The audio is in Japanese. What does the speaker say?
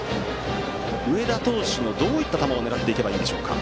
上田投手のどういった球を狙っていけばいいでしょうか。